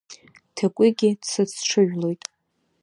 Ҭакәигьы дсыцҽыжәлоит.